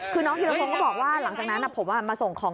คือน้องธีรพงศ์ก็บอกว่าหลังจากนั้นผมมาส่งของ